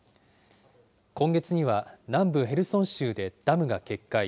今月には南部ヘルソン州でダムが決壊。